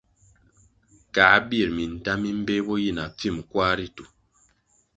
Kā birʼ minta mi mbpeh bo yi na pfim kwar ritu.